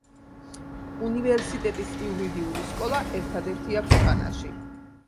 უნივერსიტეტის იურიდიული სკოლა ერთადერთია ქვეყანაში.